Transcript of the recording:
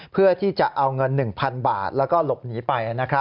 เพื่อที่จะเอาเงิน๑๐๐๐บาทแล้วก็หลบหนีไป